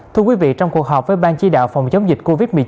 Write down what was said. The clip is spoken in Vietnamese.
thưa quý vị trong cuộc họp với ban chỉ đạo phòng chống dịch covid một mươi chín